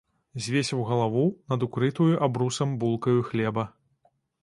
Звесіў галаву над укрытаю абрусам булкаю хлеба.